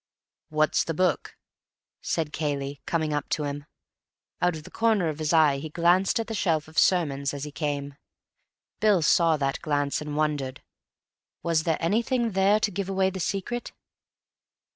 "What's the book?" said Cayley, coming up to him. Out of the corner of his eye he glanced at the shelf of sermons as he came. Bill saw that glance and wondered. Was there anything there to give away the secret?